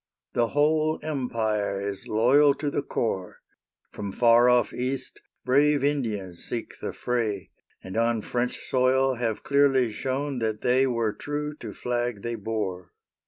The whole Empire is loyal to the core. From far off East, brave Indians seek the fray, And on French soil have clearly shown that they Were true to flag they bore.